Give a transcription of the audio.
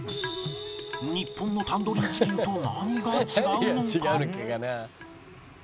日本のタンドリーチキンと何が違うのか？